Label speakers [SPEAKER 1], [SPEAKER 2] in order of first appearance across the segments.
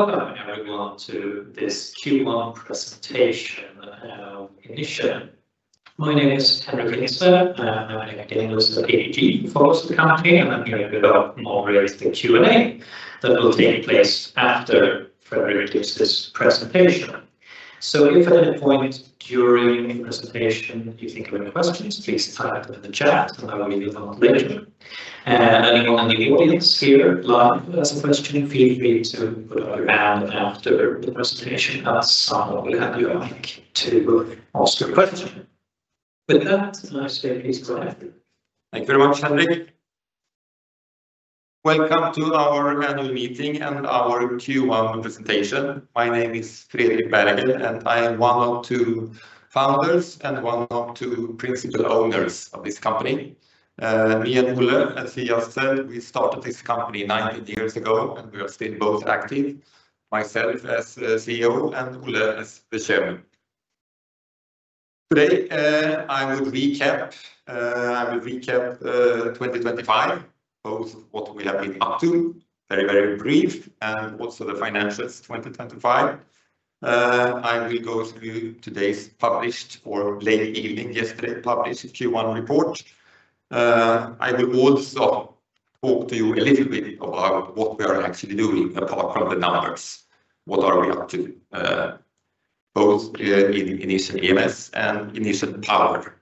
[SPEAKER 1] Hello and welcome, everyone, to this Q1 presentation of Inission. My name is Henric Hintze. I'm acting as the ABG for us at the company, and I'm here to go over the Q&A that will take place after Fredrik gives his presentation. If at any point during the presentation you think of any questions, please type them in the chat, and I will read them out later. Anyone in the audience here live has a question, feel free to put up your hand after the presentation, and someone will hand you a mic to ask your question. With that, I'll say please go ahead.
[SPEAKER 2] Thank you very much, Henric. Welcome to our annual meeting and our Q1 presentation. My name is Fredrik Berghel, and I am one of two founders and one of two principal owners of this company. Me and Olle, as he just said, we started this company 19 years ago, and we are still both active, myself as CEO and Olle as the Chairman. Today, I will recap 2025, both what we have been up to, very, very brief, and also the finances 2025. I will go through today's published, or late evening yesterday, published Q1 report. I will also talk to you a little bit about what we are actually doing apart from the numbers. What are we up to, both in Inission EMS and Inission Power?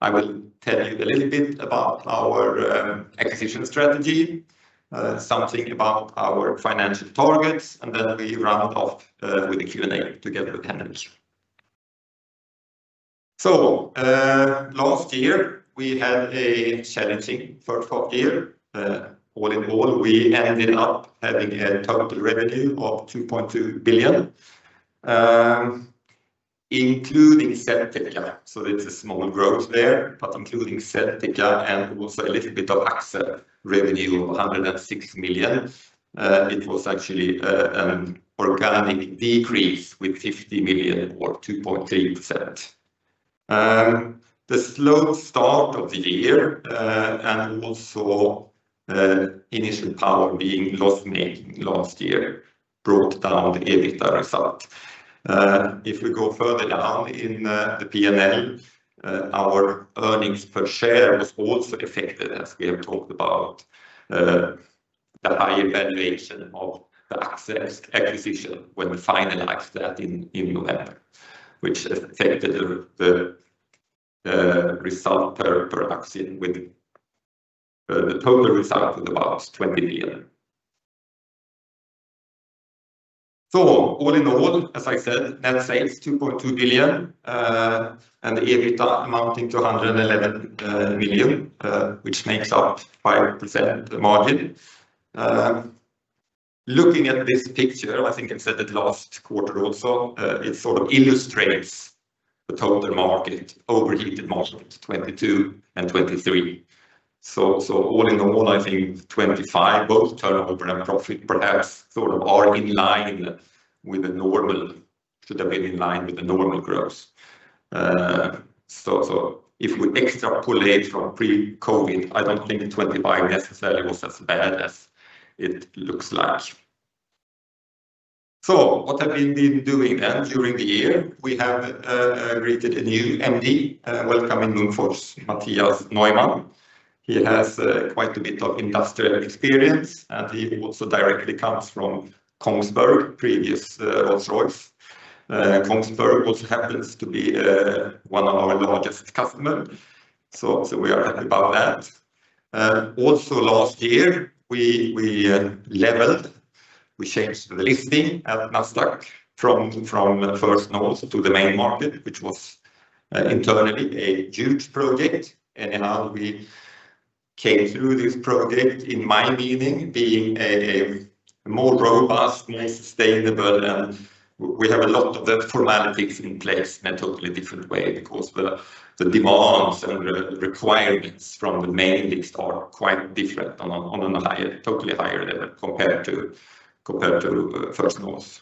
[SPEAKER 2] I will tell you a little bit about our acquisition strategy, something about our financial targets, and then we round off with the Q&A together with Henric. Last year we had a challenging first half year. All in all, we ended up having a total revenue of 2.2 billion, including Selteka, so it's a small growth there, but including Selteka and also a little bit of Axxor revenue of 106 million. It was actually organic decrease with 50 million or 2.3%. The slow start of the year and also Inission Power being loss-making last year brought down the EBITDA result. If we go further down in the P&L, our earnings per share was also affected as we have talked about the high evaluation of the Axxor acquisition when we finalized that in November, which affected the result per action with the total result of about 20 billion. All in all, as I said, net sales 2.2 billion, and EBITDA amounting to 111 million, which makes up 5% margin. Looking at this picture, I think I said it last quarter also, it sort of illustrates the total market overheated margin of 2022 and 2023. All in all, I think 2025, both turnover and profit perhaps sort of are in line with the normal growth. If we extrapolate from pre-COVID, I don't think 2025 necessarily was as bad as it looks like. What have we been doing then during the year? We have greeted a new MD, welcoming Munkfors Mathias Larsson. He has quite a bit of industrial experience, and he also directly comes from Kongsberg, previous ls-Royce. Kongsberg also happens to be one of our largest customer, we are happy about that. Also last year we changed the listing at Nasdaq from First North to the main market, which was internally a huge project. Now we came through this project, in my meaning, being a more robust and sustainable, and we have a lot of the formalities in place in a totally different way because the demands and the requirements from the main list are quite different on a higher, totally higher level compared to, compared to First North.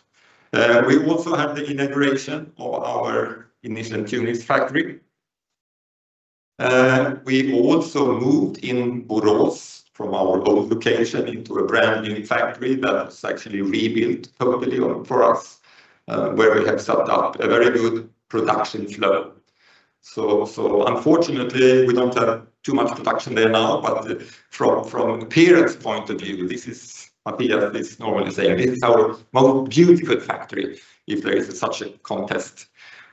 [SPEAKER 2] We also had the inauguration of our Inission Tunis factory. We also moved in Borås from our old location into a brand-new factory that was actually rebuilt totally for us, where we have set up a very good production flow. Unfortunately, we don't have too much production there now, but from appearance point of view, this is, Mathias is normally saying, "This is our most beautiful factory, if there is such a contest."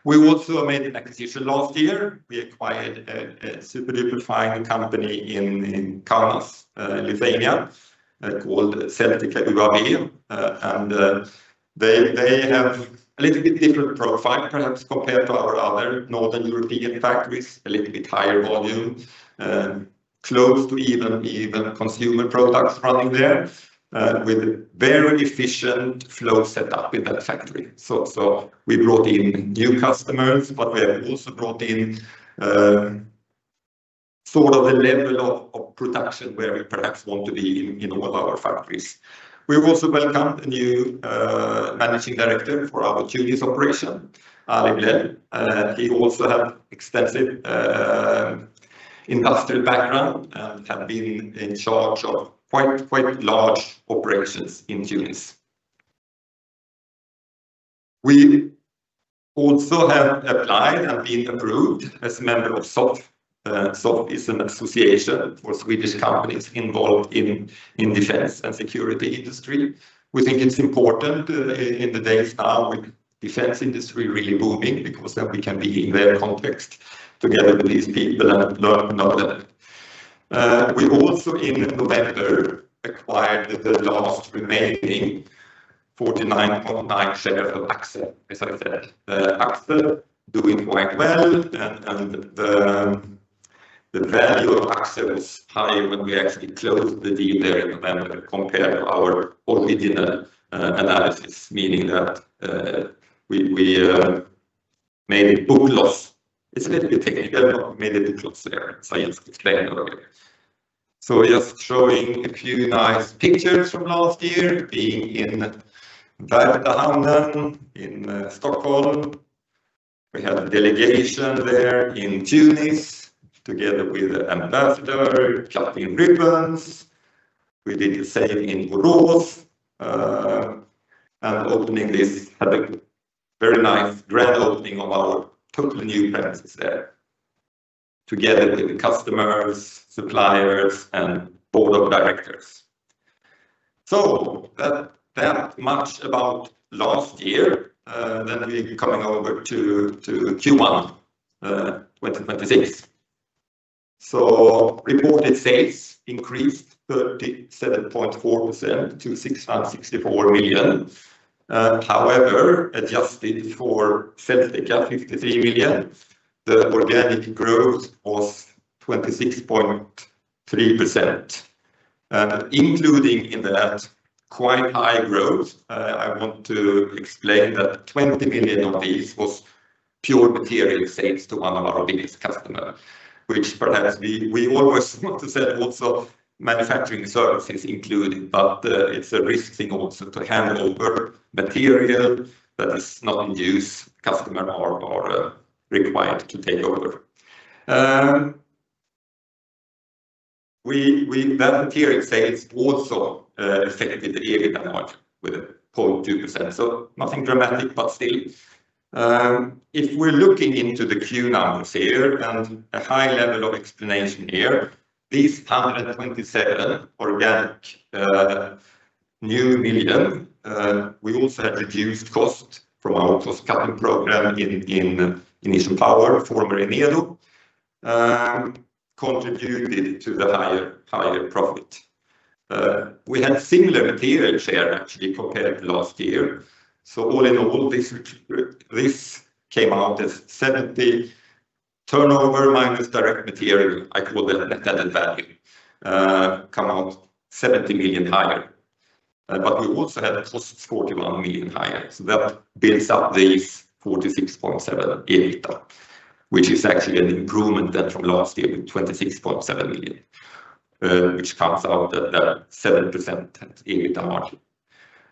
[SPEAKER 2] We also made an acquisition last year. We acquired a super-duper fine company in Kaunas, Lithuania, called Selteka UAB. They have a little bit different profile perhaps compared to our other Northern European factories, a little bit higher volume, close to even consumer products running there, with very efficient flow set up in that factory. We brought in new customers, but we have also brought in sort of a level of production where we perhaps want to be in all our factories. We've also welcomed a new Managing Director for our Tunis operation, Ali Blel. He also have extensive Industrial background and have been in charge of quite large operations in Tunis. We also have applied and been approved as a member of SOFF. SOFF is an association for Swedish companies involved in defense and security industry. We think it's important in the days now with defense industry really booming because then we can be in their context together with these people and learn about that. We also, in November, acquired the last remaining 49.9 share of AXEL, as I said. AXEL doing quite well, and the value of AXEL was high when we actually closed the deal there in November compared to our original analysis, meaning that we made a book loss. It's a little bit technical, made a book loss there. I just explain a little bit. Just showing a few nice pictures from last year being in Världshandeln in Stockholm. We had a delegation there in Tunis, together with ambassador, Cecilia Wramsten. We did the same in Borås. Opening this had a very nice grand opening of our total new premises there together with the customers, suppliers, and board of directors. That, that much about last year. We coming over to Q1 2026. Reported sales increased 37.4% to 664 million. However, adjusted for Selteka, 53 million, the organic growth was 26.3%. Including in that quite high growth, I want to explain that 20 million of these was pure material sales to one of our biggest customer, which perhaps we always want to sell lots of manufacturing services including, but it's a risk thing also to hand over material that is not in use customer or required to take over. We That material sales also affected the EBITDA margin with a 0.2%. Nothing dramatic, but still. If we're looking into the Q numbers here and a high level of explanation here, these 127 million organic new, we also had reduced cost from our cost-cutting program in Inission Power, former Enedo, contributed to the higher profit. We had similar material share actually compared to last year. All in all, this came out as 70 turnover minus direct material, I call it added value, come out 70 million higher. We also had costs 41 million higher, that builds up this 46.7 million EBITDA, which is actually an improvement than from last year with 26.7 million, which comes out at a 7% EBITDA margin.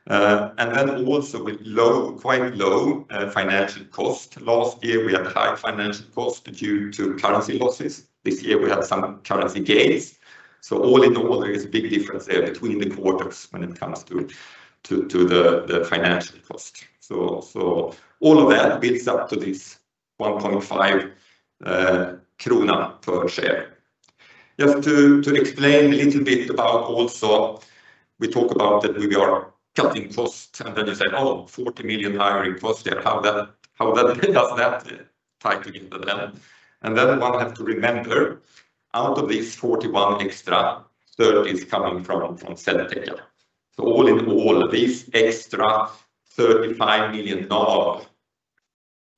[SPEAKER 2] Also with low, quite low, financial cost. Last year, we had high financial cost due to currency losses. This year, we had some currency gains. All in all, there is a big difference there between the quarters when it comes to the financial cost. All of that builds up to this 1.5 krona per share. Just to explain a little bit about also, we talk about that we are cutting costs, and then you say, "Oh, 40 million higher in cost here." How does that tie together then? One have to remember, out of these 41 million extra, SKE 30 million is coming from Selteka. All in all, this extra 35 million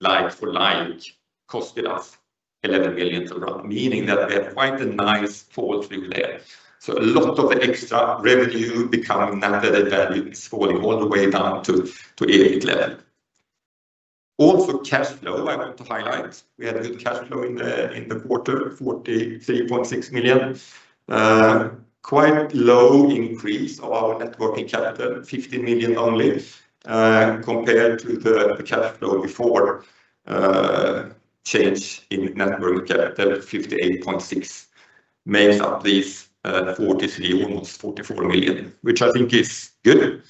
[SPEAKER 2] like-for-like costed us 11 million, meaning that we have quite a nice fall through there. A lot of extra revenue become added value. It's falling all the way down to EBITDA level. Also, cash flow I want to highlight. We had good cash flow in the quarter, 43.6 million. Quite low increase of our net working capital, 50 million only, compared to the cash flow before change in net working capital, 58.6 million, makes up these 43, almost 44 million, which I think is good.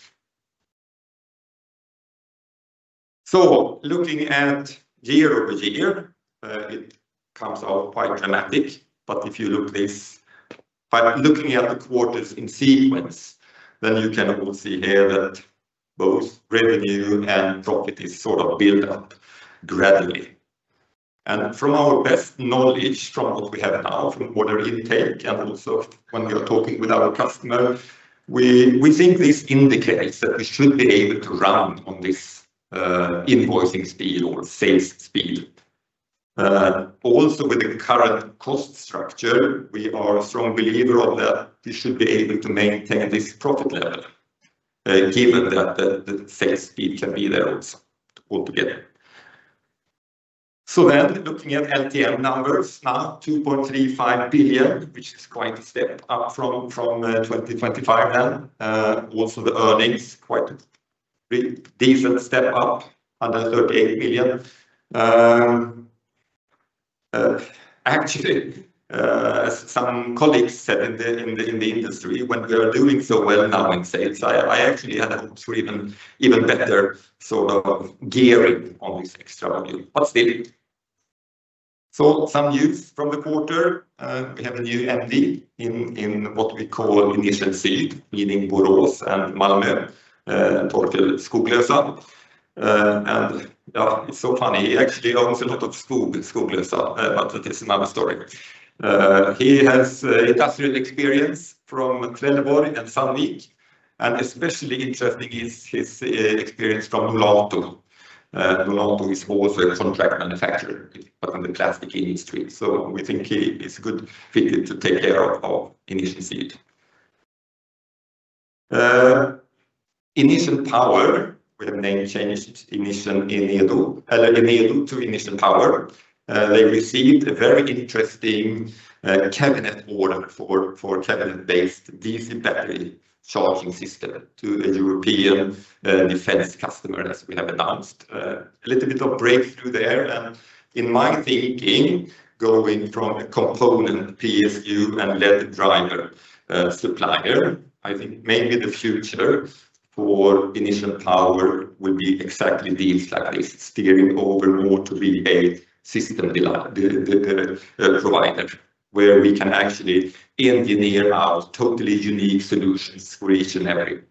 [SPEAKER 2] Looking at year-over-year, it comes out quite dramatic. If you look this by looking at the quarters in sequence, then you can all see here that both revenue and profit is sort of build up gradually. From our best knowledge, from what we have now, from order intake and also when we are talking with our customer, we think this indicates that we should be able to run on this invoicing speed or sales speed. Also with the current cost structure, we are a strong believer of that we should be able to maintain this profit level, given that the sales speed can be there also altogether. Looking at LTM numbers, now 2.35 billion, which is quite a step up from 2025. Also the earnings with decent step up, 138 million. Actually, some colleagues said in the industry, when we are doing so well now in sales, I actually had hoped for even better sort of gearing on this extra value. Some news from the quarter, we have a new MD in what we call Inission Syd, meaning Borås and Malmö, and Torkel Skoglösa. It's so funny, he actually owns a lot of Skoglösa, but that is another story. He has industrial experience from Trelleborg and Sandvik, and especially interesting is his experience from Nolato. Nolato is also a contract manufacturer. It's part of the classic industry. We think he is a good fit to take care of Inission Syd. Inission Power, we have name changed Inission Enedo to Inission Power. They received a very interesting cabinet order for cabinet-based DC battery charging system to a European defense customer, as we have announced. A little bit of breakthrough there. In my thinking, going from a component PSU and LED driver supplier, I think maybe the future for Inission Power would be exactly deals like this, steering over more to be a system provider, where we can actually engineer out totally unique solutions for each and every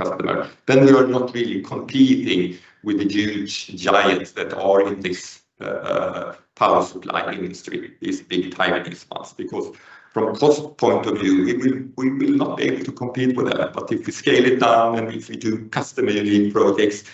[SPEAKER 2] customer. We are not really competing with the huge giants that are in this power supply industry, these big Taiwanese. From cost point of view, we will not be able to compete with that. If we scale it down and if we do custom-made projects,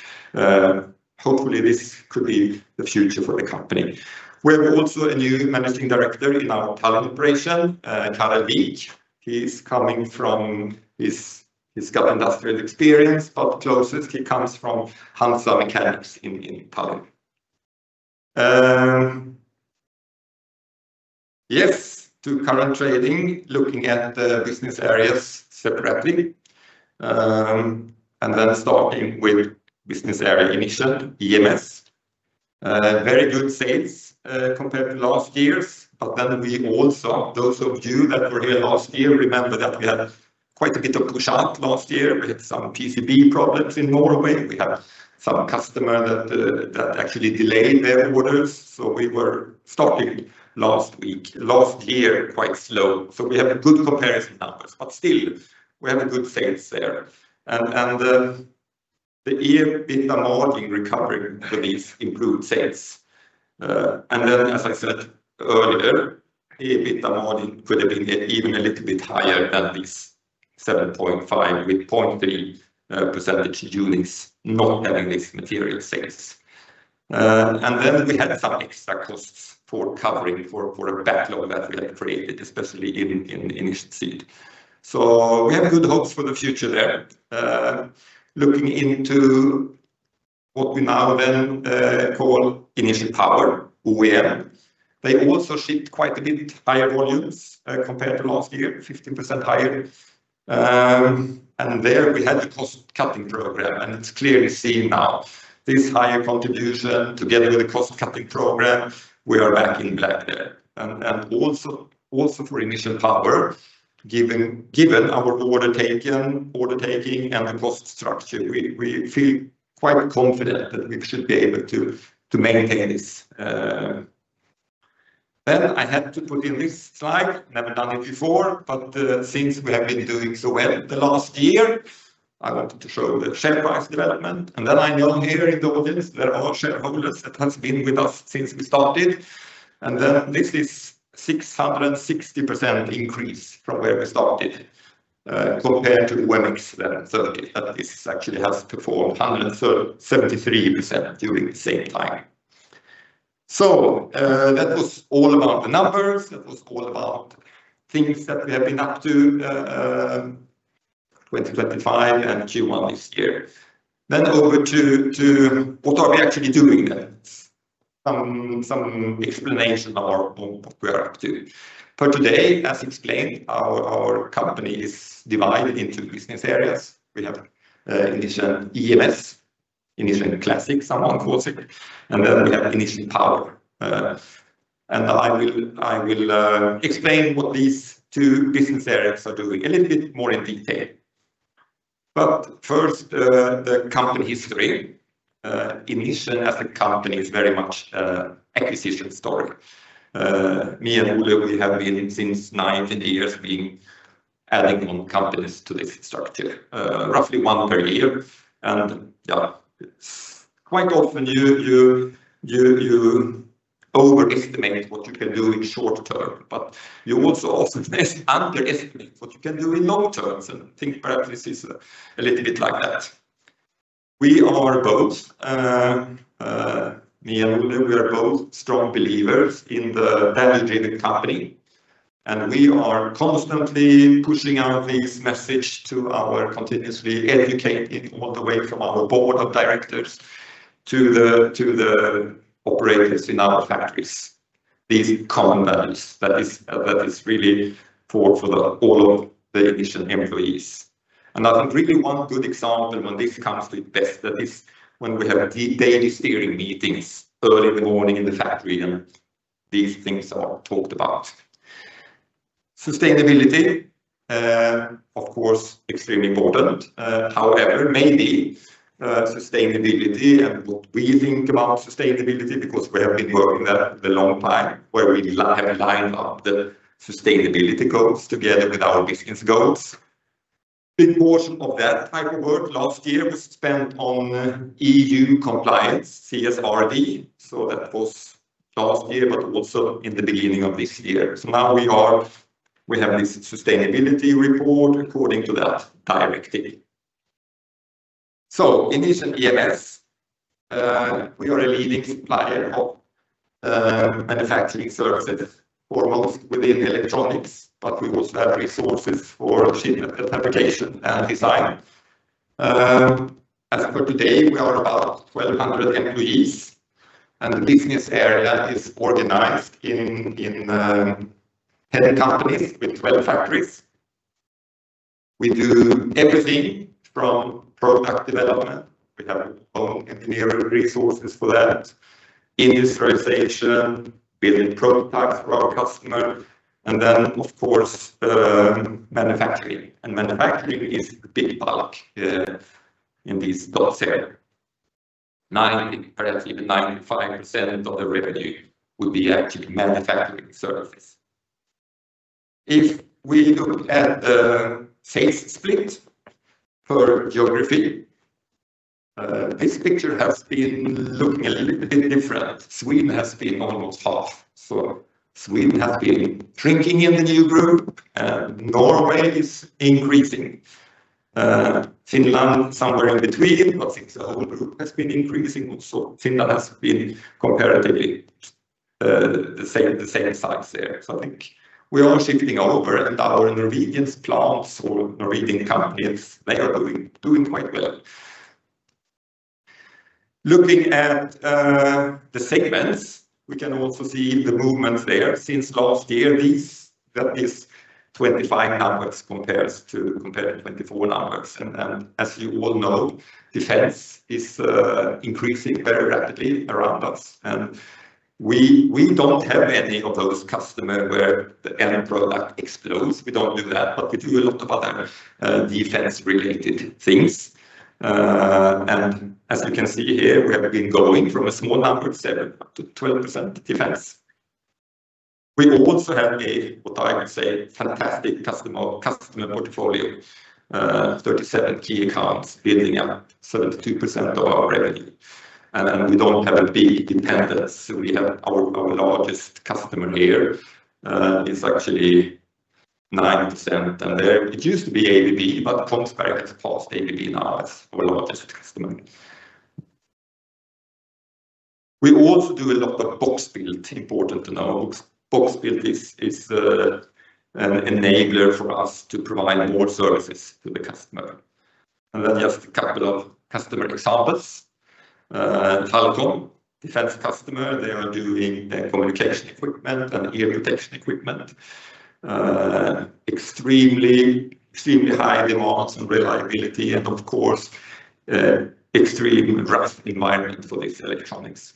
[SPEAKER 2] hopefully this could be the future for the company. We have also a new managing director in our Tallinn operation, Kaarel Viik. He's coming from he's got industrial experience, but closest he comes from HANZA Mechanics in Tallinn. Yes, to current trading, looking at the business areas separately, starting with business area Inission EMS. Very good sales compared to last year's, but then we also, those of you that were here last year remember that we had quite a bit of push out last year with some PCB problems in Norway. We had some customer that actually delayed their orders, so we were starting last year quite slow. We have good comparison numbers, but still we have a good sales there. The year's EBITDA margin recovering with these improved sales. As I said earlier, EBITDA margin could have been even a little bit higher than this 7.5 with 0.3 percentage units not having this material sales. Then we had some extra costs for covering for a backlog that we had created, especially in Inission Syd. We have good hopes for the future there. Looking into what we now call Inission Power, who we are, they also shipped quite a bit higher volumes compared to last year, 15% higher. There we had the cost-cutting program. It's clearly seen now. This higher contribution together with the cost-cutting program, we are back in black there. Also for Inission Power, given our order taken, order taking and the cost structure, we feel quite confident that we should be able to maintain this. I had to put in this slide, never done it before, since we have been doing so well the last year, I wanted to show the share price development. I know here in the audience, there are shareholders that has been with us since we started. This is 660% increase from where we started, compared to OMX 30. This actually has performed 173% during the same time. That was all about the numbers. That was all about things that we have been up to, 2025 and Q1 this year. Over to what are we actually doing then? Some explanation of what we are up to. For today, as explained, our company is divided into business areas. We have Inission EMS, Inission Classic, someone calls it, and then we have Inission Power. I will explain what these two business areas are doing a little bit more in detail. First, the company history, Inission as a company is very much a acquisition story. Me and Olle, we have been since 19 years been adding on companies to this structure, roughly one per year. Yeah, it's quite often you overestimate what you can do in short term, but you also often underestimate what you can do in long terms, and I think perhaps this is a little bit like that. We are both, me and Ole, we are both strong believers in the value-driven company, and we are constantly pushing out this message to our continuously educating all the way from our board of directors to the, to the operators in our factories. These common values that is really for the all of the Inission employees. I think really one good example when this comes to its best, that is when we have daily steering meetings early in the morning in the factory, and these things are talked about. Sustainability, of course, extremely important. However, maybe sustainability and what we think about sustainability because we have been working there for a long time, where we have lined up the sustainability goals together with our business goals. Big portion of that type of work last year was spent on EU compliance, CSRD. That was last year, but also in the beginning of this year. Now we have this sustainability report according to that directive. Inission EMS, we are a leading supplier of manufacturing services, foremost within electronics, but we also have resources for machine fabrication and design. As for today, we are about 1,200 employees, and the business area is organized in head companies with 12 factories. We do everything from product development. We have our own engineering resources for that. Industrialization, building prototypes for our customer, and then of course, manufacturing. Manufacturing is the big bulk in these dots here. 90%, perhaps even 95% of the revenue would be actually manufacturing services. If we look at the sales split per geography, this picture has been looking a little bit different. Sweden has been almost half. Sweden has been shrinking in the new group, and Norway is increasing. Finland somewhere in between, but since the whole group has been increasing also. Finland has been comparatively the same, the same size there. I think we are shifting over, and our Norwegian plants or Norwegian companies, they are doing quite well. Looking at the segments, we can also see the movements there. Since last year, these, that is 25 numbers compared to 24 numbers. As you all know, defense is increasing very rapidly around us. We don't have any of those customer where the end product explodes. We don't do that, but we do a lot of other defense related things. As you can see here, we have been going from a small number seven, up to 12% defense. We also have a, what I would say, fantastic customer portfolio. 37 key accounts building up 72% of our revenue. We don't have a big dependence. We have our largest customer here is actually 9%. There, it used to be ABB. Kongsberg has passed ABB now as our largest customer. We also do a lot of box build, important to know. Box build is an enabler for us to provide more services to the customer. Just a couple of customer examples. Talcon, defense customer, they are doing communication equipment and ear protection equipment. Extremely high demands on reliability and of course, extreme rough environment for these electronics.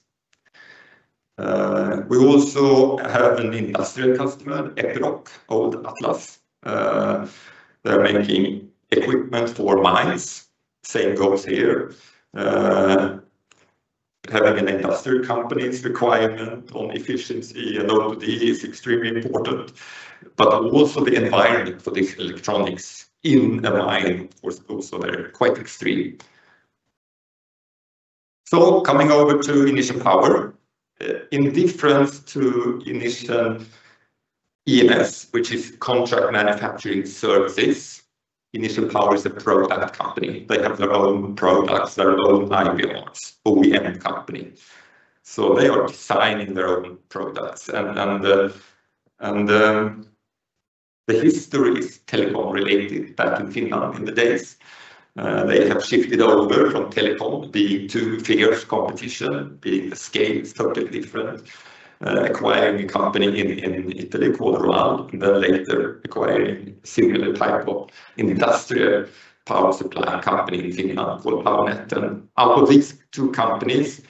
[SPEAKER 2] We also have an industrial customer, Epiroc, old Atlas. They're making equipment for mines. Same goes here. Having an industrial company's requirement on efficiency and OOD is extremely important, but also the environment for these electronics in a mine is also quite extreme. Coming over to Inission Power. In difference to Inission EMS, which is contract manufacturing services, Inission Power is a product company. They have their own products, their own IP, OEM company. They are designing their own products. The history is telephone related back in Finland in the days. They have shifted over from telephone due to fierce competition, being the scale is totally different. Acquiring a company in Italy called ROL, then later acquiring similar type of industrial power supply company in Finland called Powernet. Out of these two companies,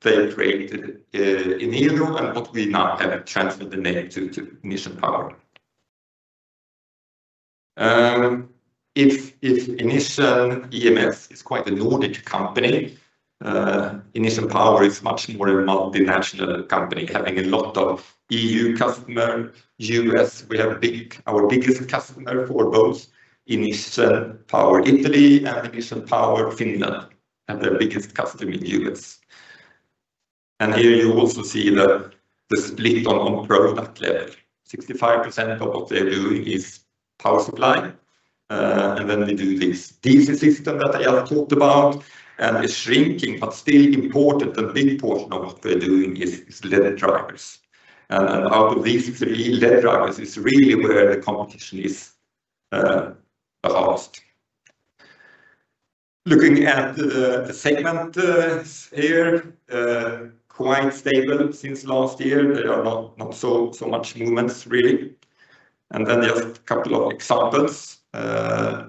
[SPEAKER 2] they created Enedo, and what we now have transferred the name to Inission Power. If Inission EMS is quite a Nordic company, Inission Power is much more a multinational company, having a lot of EU customer, U.S. Our biggest customer for both Inission Power Italy and Inission Power Finland have their biggest customer in U.S. Here you also see the split on product level. 65% of what they're doing is power supply. Then they do this DC system that I have talked about. It's shrinking but still important and big portion of what we're doing is LED drivers. Out of these three, LED drivers is really where the competition is the hardest. Looking at the segment here, quite stable since last year. There are not so much movements really. Just couple of examples.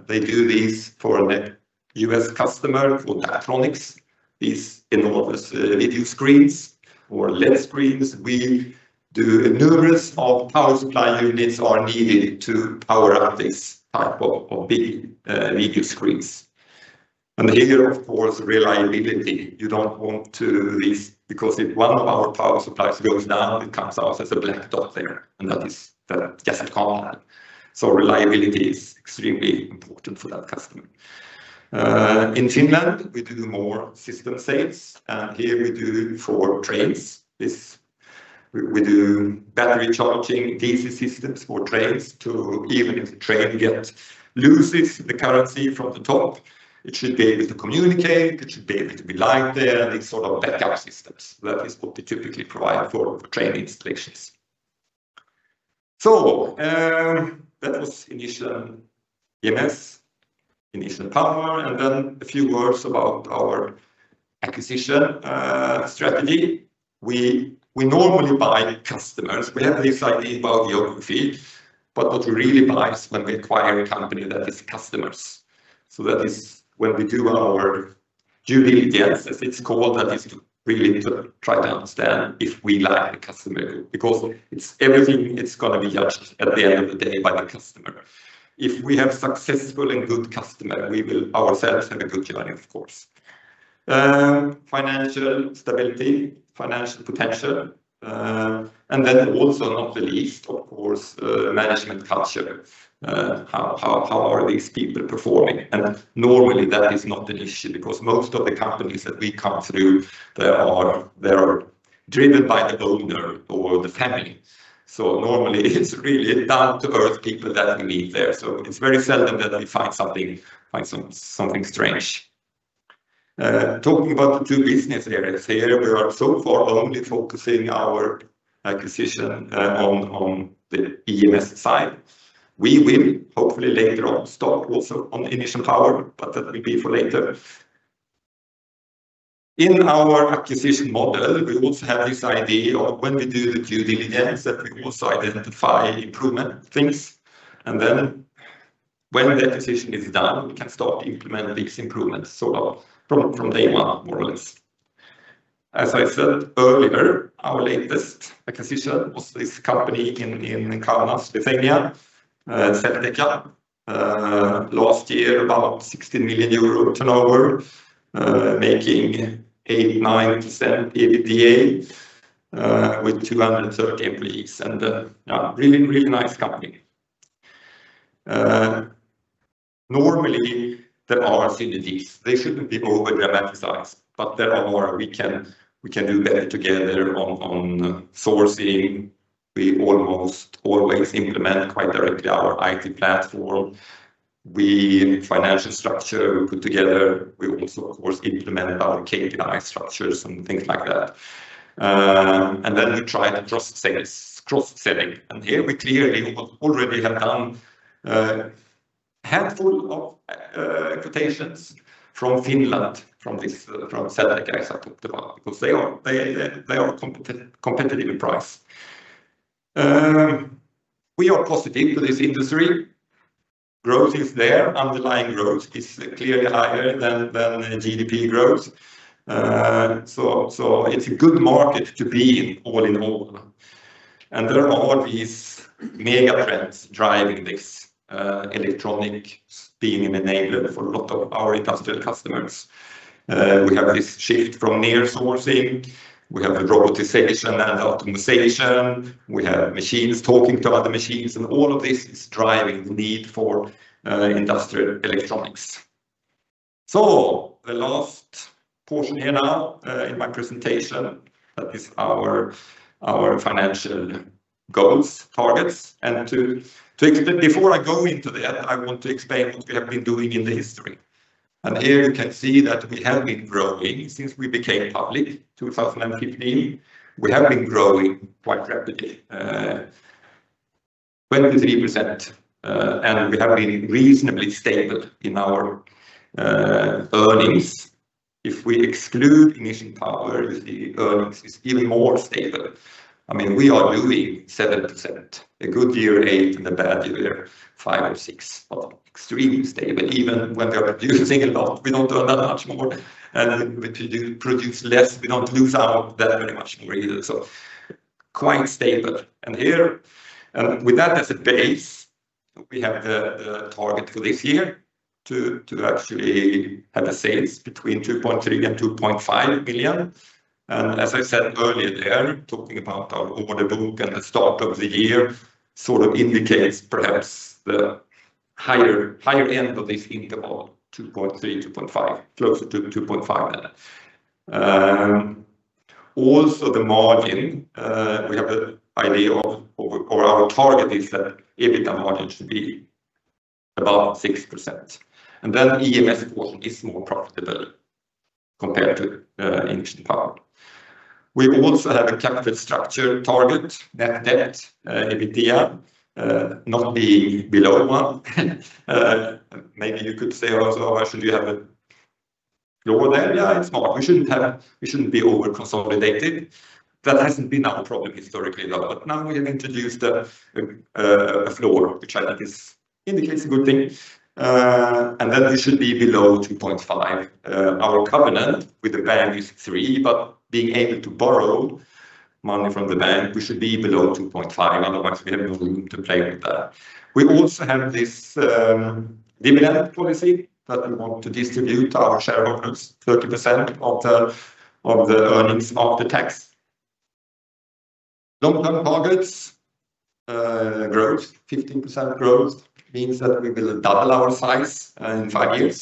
[SPEAKER 2] They do this for a U.S. customer for Daktronics. These enormous video screens or LED screens. We do numerous power supply units are needed to power up this type of big video screens. Here, of course, reliability, you don't want to risk, because if one of our power supplies goes down, it comes out as a black dot there, and that just can't happen. Reliability is extremely important for that customer. In Finland, we do more system sales, and here we do for trains. We do battery charging DC systems for trains to even if the train get loses the current from the top, it should be able to communicate, it should be able to be lit there. These sort of backup systems, that is what we typically provide for train installations. That was Inission EMS, Inission Power, and then a few words about our acquisition strategy. We normally buy customers. We have this idea about geography, but what we really buy is when we acquire a company that has customers. That is when we do our due diligence, as it's called, that is to really to try to understand if we like the customer, because it's everything, it's gonna be judged at the end of the day by the customer. If we have successful and good customer, we will ourselves have a good client, of course. Financial stability, financial potential, not the least, of course, management culture. How are these people performing? Normally that is not an issue because most of the companies that we come through, they are driven by the owner or the family. Normally it's really down to earth people that we meet there. It's very seldom that we find something strange. Talking about the two business areas here, we are so far only focusing our acquisition on the EMS side. We will hopefully later on start also on Inission Power, that will be for later. In our acquisition model, we also have this idea of when we do the due diligence that we also identify improvement things, and then when the acquisition is done, we can start to implement these improvements sort of from day one more or less. As I said earlier, our latest acquisition was this company in Kaunas, Lithuania, Selteka. Last year about 60 million euro turnover, making 8%, 9% EBITDA, with 230 employees and a really nice company. Normally there are synergies. They shouldn't be over-dramatized, there are more we can do better together on sourcing. We almost always implement quite directly our IT platform. We financial structure we put together. We also of course implement our KPI structures and things like that. Then we try cross-sales, cross-selling. Here we clearly already have done a handful of quotations from Finland from this from Selteka as I talked about because they are competitive in price. We are positive for this industry. Growth is there. Underlying growth is clearly higher than GDP growth. So it's a good market to be in all in all. There are all these mega trends driving this electronic being an enabler for a lot of our industrial customers. We have this shift from near-sourcing. We have robotization and optimization. We have machines talking to other machines, and all of this is driving the need for industrial electronics. The last portion here now in my presentation that is our financial goals, targets. Before I go into that I want to explain what we have been doing in the history. Here you can see that we have been growing since we became public, 2015. We have been growing quite rapidly, 23%. We have been reasonably stable in our earnings. If we exclude Inission Power, you see earnings is even more stable. I mean, we are doing 7%. A good year, 8%. In a bad year, 5% or 6%. Extremely stable even when we are producing a lot, we don't do that much more. When we do produce less, we don't lose out that very much more either. Quite stable. Here, with that as a base, we have the target for this year to actually have a sales between 2.3 billion and 2.5 billion. As I said earlier there, talking about our order book and the start of the year sort of indicates perhaps the higher end of this interval, 2.3 billion, 2.5 billion, closer to 2.5 billion then. Also the margin, we have a idea of or our target is that EBITDA margin should be about 6%. EMS portion is more profitable. Compared to Inission Power. We also have a capital structure target, net debt, EBITDA, not being below one. Maybe you could say also why should you have a lower there? We shouldn't be over-consolidated. That hasn't been our problem historically, though. Now we have introduced a floor, which I think indicates a good thing. We should be below 2.5 billion. Our covenant with the bank is 3 billion, but being able to borrow money from the bank, we should be below 2.5 billion. Otherwise, we have no room to play with that. We also have this dividend policy that we want to distribute to our shareholders 30% of the earnings after tax. Long-term targets, growth. 15% growth means that we will double our size in five years,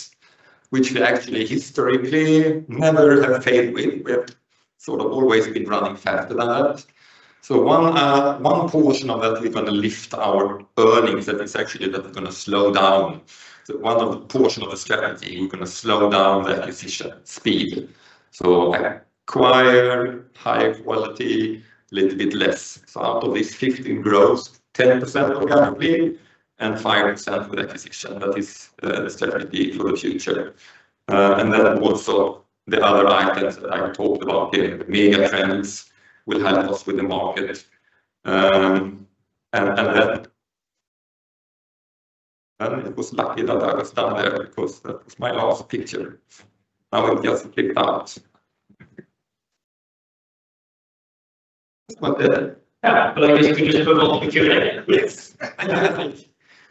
[SPEAKER 2] which we actually historically never have failed with. We have sort of always been running faster than that. One portion of that is gonna lift our earnings, and it's actually that we're gonna slow down. One of the portion of the strategy, we're going to slow down the acquisition speed. Acquire higher quality, little bit less. Out of this 15 growth, 10% organically, and 5% with acquisition. That is the strategy for the future. Also the other items that I talked about here, the mega trends will help us with the market. It was lucky that I was done there because that was my last picture. Now we just click out. That's not it.
[SPEAKER 1] Yeah. I guess we just move on to Q&A.
[SPEAKER 2] Yes.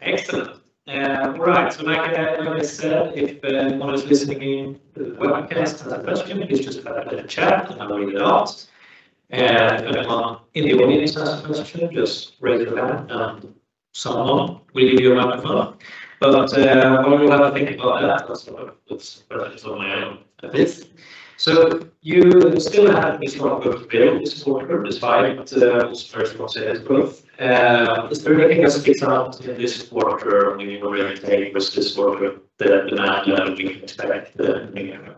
[SPEAKER 1] Excellent. Right. Like I said, if anyone is listening in the webcast has a question, please just put that in the chat, and I will read it out. If anyone in the audience has a question, just raise your hand, and someone will give you a microphone. While we have a think about that, let's have a look what's on my own device. You still have this-
[SPEAKER 2] Yeah.
[SPEAKER 1] order to fill this quarter, despite exposure to headwind growth. Is there anything that stands out in this quarter when you compare and contrast this quarter the demand level you expect in the near term?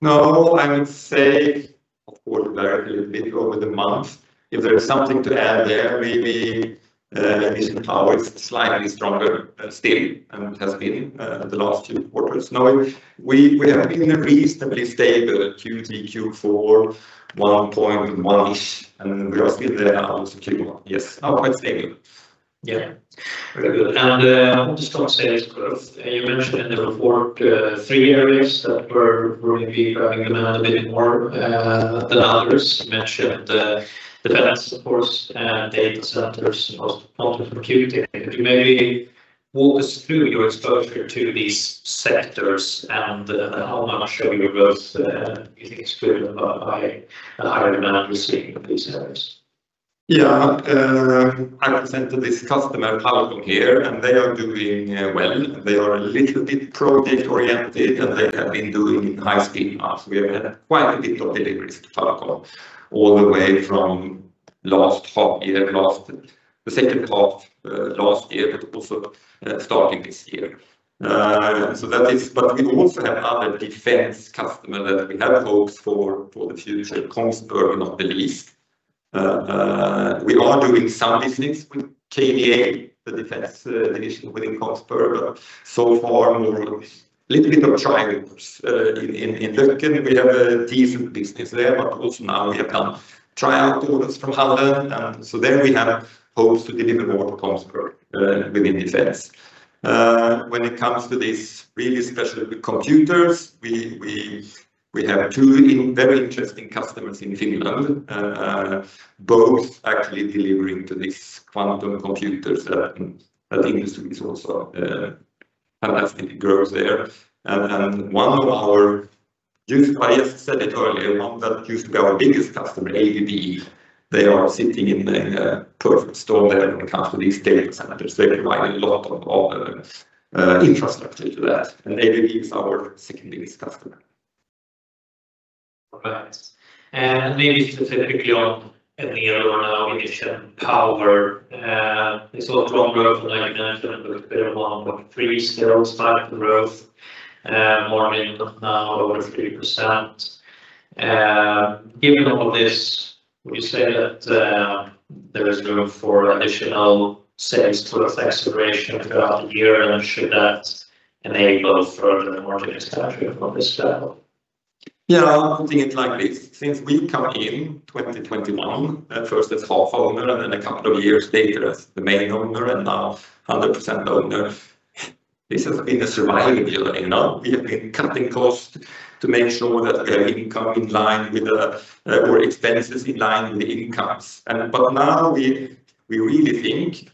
[SPEAKER 2] No, I would say of course it varied a little bit over the month. If there is something to add there, maybe, Inission Power is slightly stronger still than it has been the last few quarters. No, we have been reasonably stable Q3, Q4, 1.1-ish, and we are still there now also Q1. Yes. Now quite stable. Yeah.
[SPEAKER 1] Very good. I want to talk sales growth. You mentioned in the report, three areas that were maybe driving demand a little bit more than others. You mentioned, defense of course, data centers, also opportunity. Could you maybe walk us through your exposure to these sectors and, how much of your growth, is driven by the higher demand we're seeing in these areas?
[SPEAKER 2] I presented this customer,, here, and they are doing well. They are a little bit project-oriented, and they have been doing high-speed hubs. We have had quite a bit of deliveries to Palcom all the way from last half year, last the second half last year, also starting this year. We also have one another defense customer that we have hopes for the future, Kongsberg Gruppen. We are doing some business with KDA, the defense division within Kongsberg, so far more little bit of trial orders. In Løkken, we have a decent business there, now we have kind of trial orders from Halden, there we have hopes to deliver more to Kongsberg within defense. When it comes to this really specialty computers, we have two in- very interesting customers in Finland, both actually delivering to these quantum computers, that industry is also fantastic growth there. One of our I just said it earlier, one that used to be our biggest customer, ABB, they are sitting in the perfect storm there when it comes to these data centers. They provide a lot of infrastructure to that, and ABB is our second biggest customer.
[SPEAKER 1] Right. Maybe specifically on, Emil, on Inission Power. There's a lot of growth like mentioned, with a bit of 1.3 still strong growth, margin of now over 3%. Given all this, would you say that there is room for additional sales growth acceleration throughout the year, and should that enable further margin expansion from this level?
[SPEAKER 2] Yeah. I think it's like this. Since we come in 2021, at first as half owner, then a couple of years later as the main owner, and now 100% owner, this has been a survival year, you know? We have been cutting costs to make sure that we are expenses in line with the incomes. Now we really think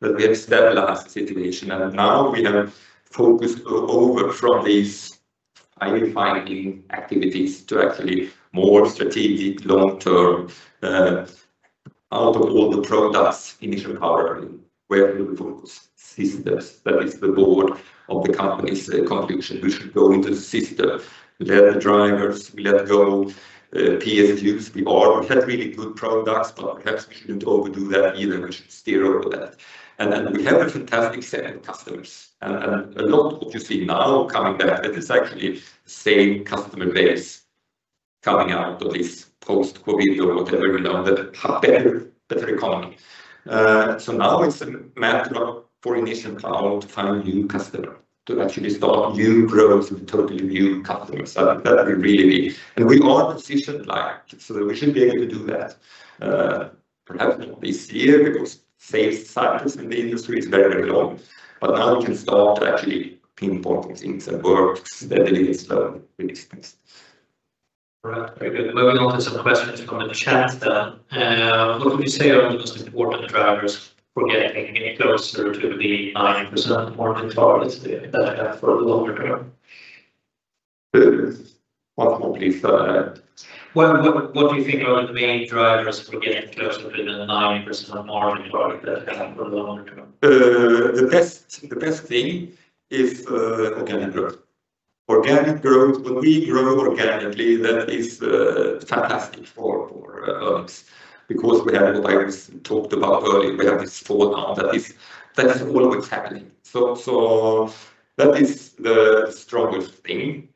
[SPEAKER 2] that we have stabilized the situation, and now we have focused over from these identifying activities to actually more strategic long-term, out of all the products Inission Power, where do we focus? Systems. That is the board of the company's conviction. We should go into systems. We let drivers, we let go, PSUs. We have really good products, perhaps we shouldn't overdo that either. We should steer over that. We have a fantastic set of customers. A lot of what you see now coming back, that is actually the same customer base, coming out of this post-COVID or whatever, you know, that have better economy. Now it's a matter of for Inission to find new customer, to actually start new growth with totally new customers. That will really be. We are positioned like, so we should be able to do that. Perhaps not this year because sales cycles in the industry is very, very long. Now we can start to actually pinpoint things that works steadily instead of really expensive.
[SPEAKER 1] Right. Very good. Moving on to some questions from the chat then. What would you say are the most important drivers for getting closer to the 9% margin targets that you have for the longer term?
[SPEAKER 2] The what, please?
[SPEAKER 1] What do you think are the main drivers for getting closer to the 9% margin target that you have for the longer term?
[SPEAKER 2] The best thing is organic growth. Organic growth. When we grow organically, that is fantastic for earnings because we have, like we talked about earlier, we have this fallout that is always happening. That is the strongest thing.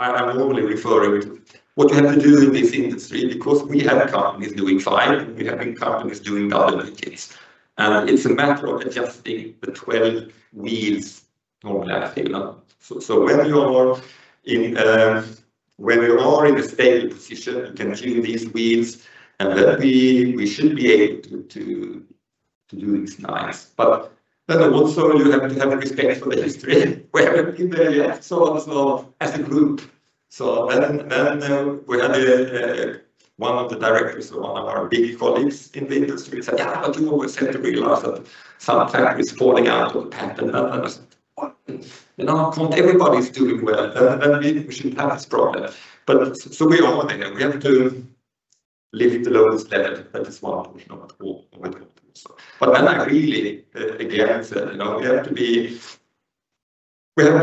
[SPEAKER 2] Then I'm only referring to what you have to do in this industry, because we have companies doing fine, and we have companies doing the other case. It's a matter of adjusting the 12 wheels on that thing. When you are in a stable position, you can tune these wheels, and then we should be able to do this nice. Also you have to have a respect for the history we have in there. Yeah. As a group. One of the directors of one of our big colleagues in the industry said, "Yeah, but you always have to realize that some factory is falling out of patent." I was like, "What? You know, come on, everybody's doing well. We shouldn't have this problem." We are aware. We have to lift the lowest level. That is one portion of it all. I really, again, said, you know, we have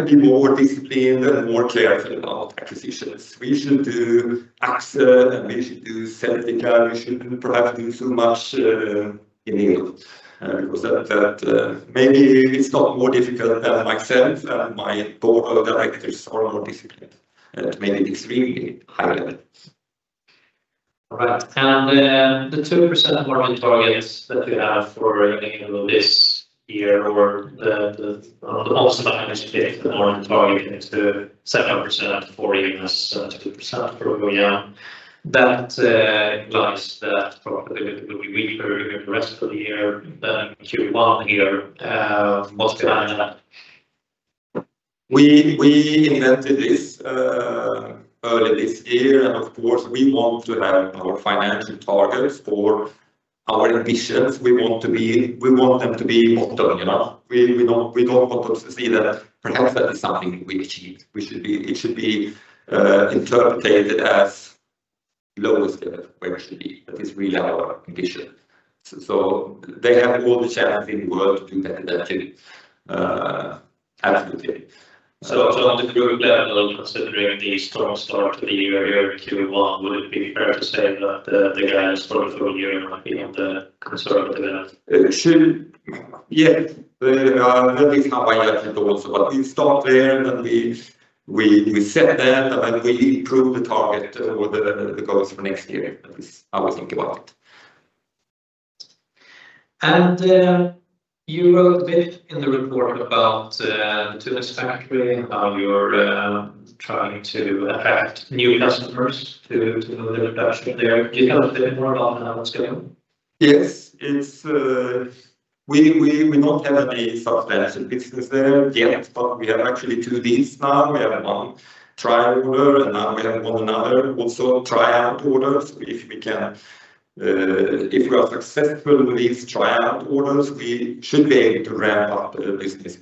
[SPEAKER 2] to be more disciplined and more careful about acquisitions. We should do Axxor, and we should do Selteka UAB. We shouldn't perhaps do so much in Europe, because Maybe it's not more difficult than myself and my board of directors are more disciplined at maybe extremely high levels.
[SPEAKER 1] All right. The 2% margin targets that you have for, you know, this year or the, the post-balance sheet margin target to 7% for Tunis, 2% for Lohja, that implies that profitability will be weaker in the rest of the year than Q1 here, post-balance sheet.
[SPEAKER 2] We invented this early this year. Of course, we want to have our financial targets for our ambitions. We want them to be modern, you know. We don't want to see that perhaps that is something we achieve. It should be interpreted as lowest level where we should be. That is really our ambition. They have all the chance in the world to that attitude.
[SPEAKER 1] On the group level, considering the strong start to the year here in Q1, would it be fair to say that the guidance for the full year might be on the conservative end?
[SPEAKER 2] It should. Yes. That is how I look at it also. We start there, and we set that, and we improve the target or the goals for next year. That is how I think about it.
[SPEAKER 1] You wrote a bit in the report about the Tunis factory and how you're trying to attract new customers to deliver there. Can you tell us a bit more about how that's going?
[SPEAKER 2] Yes. It's, We not have any substantial business there yet, but we have actually two leads now. We have one trial order, and now we have one another also tryout orders. If we can, if we are successful with these tryout orders, we should be able to ramp up the business.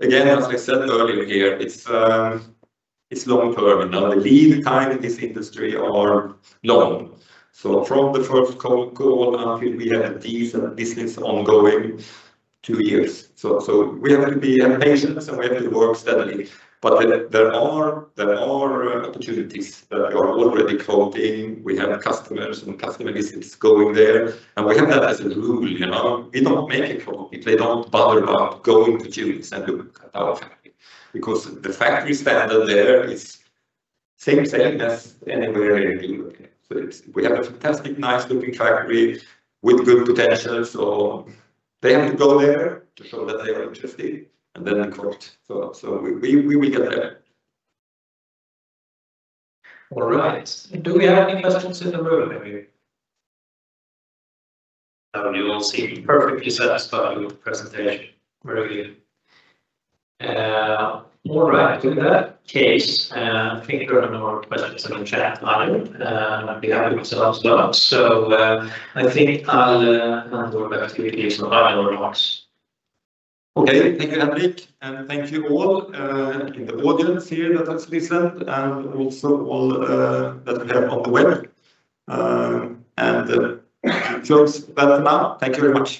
[SPEAKER 2] Again, as I said earlier here, it's long-term. You know, the lead time in this industry are long. From the first quote going out till we have a decent business ongoing, two years. We have to be patient, and we have to work steadily. There are opportunities that we are already quoting. We have customers and customer visits going there, and we have that as a rule, you know. We don't make a quote. They don't bother about going to Tunis and look at our factory because the factory standard there is same as anywhere in Europe. We have a fantastic, nice-looking factory with good potential. They have to go there to show that they are interested, and then quote. We will get there.
[SPEAKER 1] All right. Do we have any questions in the room, maybe? No, you all seem perfectly satisfied with the presentation. Very good. All right. In that case, I think there are no more questions in the chat either, and I've been having some as well. I think I'll hand over to Fredrik Berghel for final remarks.
[SPEAKER 2] Okay. Thank you, Henric. Thank you all in the audience here that has listened and also all that we have on the web. It feels better now. Thank you very much